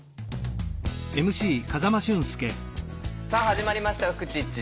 さあ始まりました「フクチッチ」。